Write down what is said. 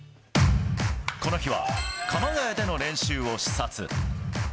この日は鎌ケ谷での練習を視察。